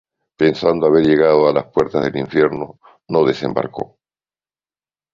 Pensando haber llegado a las puertas del infierno, no desembarcó.